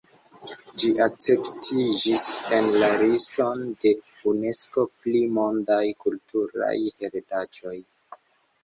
Ĝi akceptiĝis en la liston de Unesko pri mondaj kulturaj heredaĵoj.